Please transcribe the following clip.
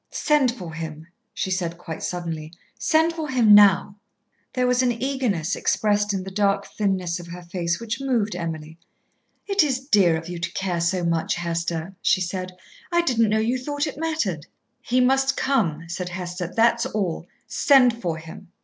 "Send for him," she said quite suddenly; "send for him now." There was an eagerness expressed in the dark thinness of her face which moved Emily. "It is dear of you to care so much, Hester," she said. "I didn't know you thought it mattered." "He must come," said Hester. "That's all. Send for him."